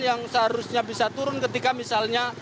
yang seharusnya bisa turun ketika misalnya